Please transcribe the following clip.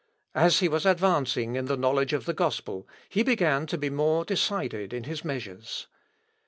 As he was advancing in the knowledge of the gospel, he began to be more decided in his measures.